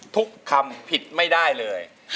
ทุกคำผิดไม่ได้เลย